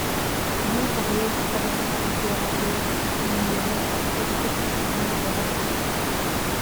Ыһыы-хаһыы, оҕунан ытыалаһыы, үҥүүнэн өтөрүтэ түсүһүү бөҕө буолбут